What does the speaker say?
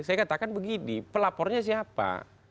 saya katakan begini pelapornya siapa